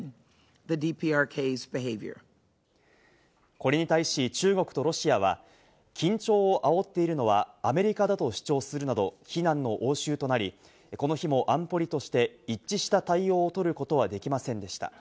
これに対し、中国とロシアは緊張を煽っているのはアメリカだと主張するなど非難の応酬となり、この日も安保理として一致した対応を取ることはできませんでした。